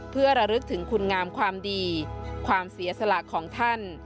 เพื่อระลึกถึงคุณงามความดีความเสียสละของท่าน